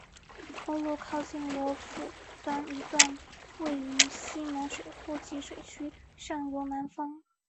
公路靠近罗浮端一段位于石门水库集水区上游南方。